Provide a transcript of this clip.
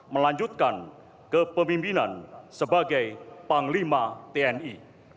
melanjutkan kepemimpinan sebagai panglima tni